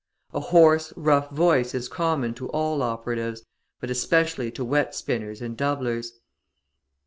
A hoarse, rough voice is common to all operatives, but especially to wet spinners and doublers.